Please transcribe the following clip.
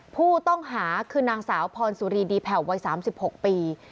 ผู้ต้องหาคือนางสาวพรสุรีดีแผ่ววัย๓๖ปี